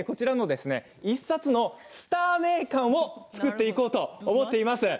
１冊のスター名鑑を作っていこうと思います。